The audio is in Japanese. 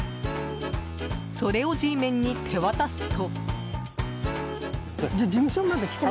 それをＧメンに手渡すと。